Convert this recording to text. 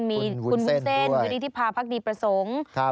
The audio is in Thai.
มีคุณวุ้นเส้นวิริธิพาพักดีประสงค์